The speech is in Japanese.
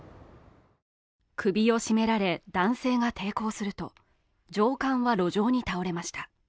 首を絞められ、男性が抵抗すると上官は路上に倒れました。